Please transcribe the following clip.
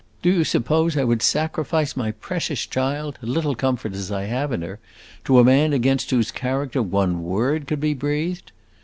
do you suppose I would sacrifice my precious child, little comfort as I have in her, to a man against whose character one word could be breathed?